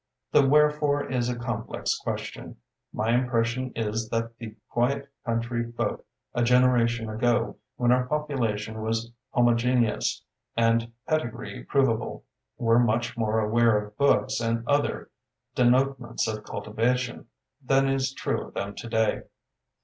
The wherefore is a com plex question. My impression is that the quiet country folk a generation ago, when our population was homo geneous and pedigrees provable, were much more aware of books and other denotements of cultivation than is true of them today.